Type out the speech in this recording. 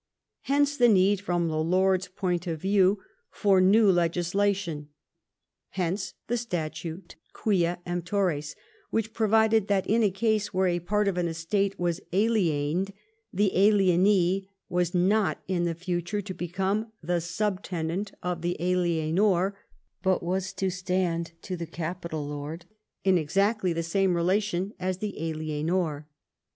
Hence the need, from the lords' point of view, for new VII EDWARD'S LEGISLATION 183 legislation. Hence the Statute Quia Empttyres, which provided that, in a case where a part of an estate was aliened, the alienee was not in the future to become the subtenant of the alienor, but was to stand to the capital lord in exactly the same relation as the alienor.